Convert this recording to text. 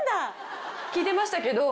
聞いてましたけど。